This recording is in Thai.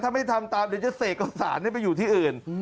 ถ้าไม่ทำตามเดี๋ยวจะเสกเอาสารให้ไปอยู่ที่อื่น